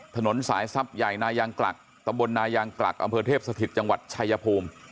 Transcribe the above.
ถนนสายทรัพย์ใหญ่นายางกลักตำบลนายางกลักอำเภอเทพสถิตจังหวัดชายภูมิ